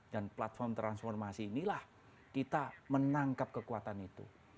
dan platform transformasi inilah kita menangkap kekuatan itu